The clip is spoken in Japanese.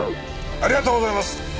ありがとうございます！